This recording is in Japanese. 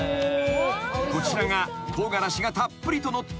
［こちらが唐辛子がたっぷりとのった］